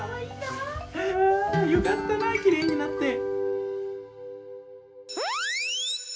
かわいいなよかったなきれいになって。